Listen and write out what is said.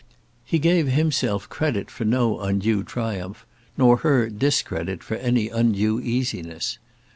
He gave himself credit for no undue triumph, nor her discredit for any undue easiness.